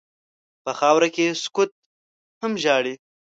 په خاوره کې سکوت هم ژاړي.